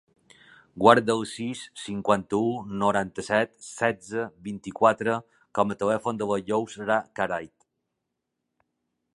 Guarda el sis, cinquanta-u, noranta-set, setze, vint-i-quatre com a telèfon de la Yousra Caride.